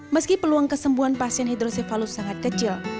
meski peluang kesembuhan pasien hidrosipalus sangat kecil